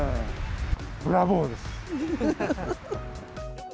ブラボーです。